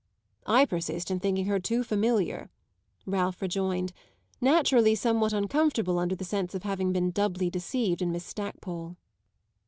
"I persist in thinking her too familiar," Ralph rejoined, naturally somewhat uncomfortable under the sense of having been doubly deceived in Miss Stackpole.